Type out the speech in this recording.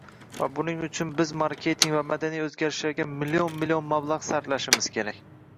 va buning uchun biz marketing va madaniy o‘zgarishlarga million-millionlab mablag‘ sarflashimiz kerak.